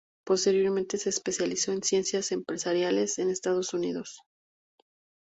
Posteriormente se especializó en Ciencias Empresariales en Estados Unidos.